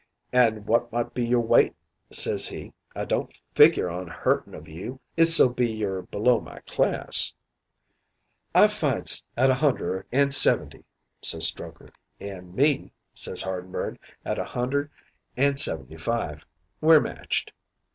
"'An' wot might be your weight?' says he. 'I don't figure on hurtin' of you, if so be you're below my class.' "'I fights at a hunder and seventy,' says Strokher. "'An' me,' says Hardenberg, 'at a hunder an' seventy five. We're matched.'